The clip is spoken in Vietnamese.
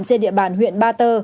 trên địa bàn huyện ba tơ